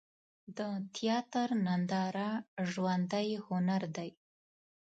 د تیاتر ننداره ژوندی هنر دی.